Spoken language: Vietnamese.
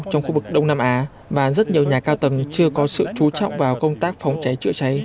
trong khu vực đông nam á mà rất nhiều nhà cao tầng chưa có sự chú trọng vào công tác phòng cháy chữa cháy